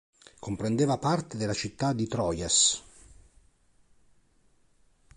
Comprendeva parte della città di Troyes.